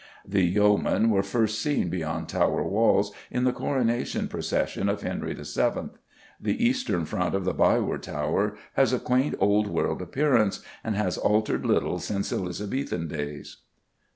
The Yeomen were first seen beyond Tower walls in the coronation procession of Henry VII. The eastern front of the Byward Tower has a quaint, old world appearance, and has altered little since Elizabethan days.